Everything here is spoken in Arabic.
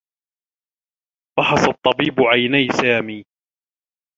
فحص الطّبيب عيني سامي.